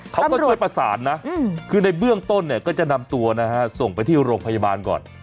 เขาก็ช่วยประสานนะคือในเบื้องต้นเนี่ยก็จะนำตัวนะฮะส่งไปที่โรงพยาบาลก่อน